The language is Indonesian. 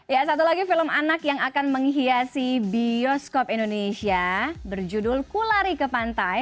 ya satu lagi film anak yang akan menghiasi bioskop indonesia berjudul kulari ke pantai